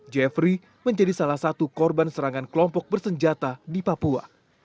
jeffrey menjadi salah satu korban serangan kelompok bersenjata di papua